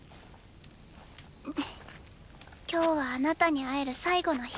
今日はあなたに会える最後の日。